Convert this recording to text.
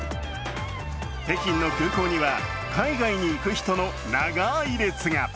北京の空港には海外に行く人の長い列が。